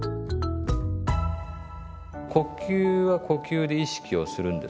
呼吸は呼吸で意識をするんですね。